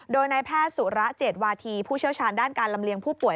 โดยนายแพทย์สุระเจ็ดวาธีผู้เชี่ยวชาญด้านการลำเลียงผู้ป่วย